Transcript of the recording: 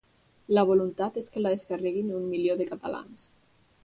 La voluntat és que la descarreguin un milió de catalans.